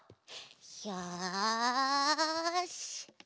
よし。